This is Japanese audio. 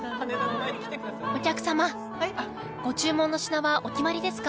お客様ご注文の品はお決まりですか？